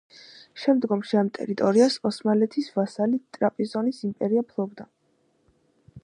შემდომში ამ ტერიტორიას ოსმალეთის ვასალი ტრაპიზონის იმპერია ფლობდა.